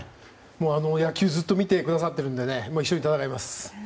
野球をずっと見てくださっているので一緒に戦います。